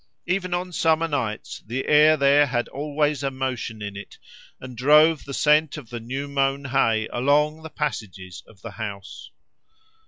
Even on summer nights the air there had always a motion in it, and drove the scent of the new mown hay along all the passages of the house.